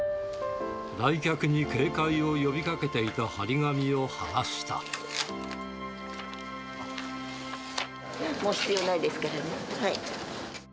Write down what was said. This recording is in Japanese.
来客に警戒を呼びかけていたもう必要ないですからね。